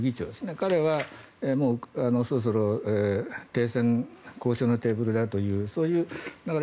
彼は、そろそろ停戦交渉のテーブルだよというそういう流れ。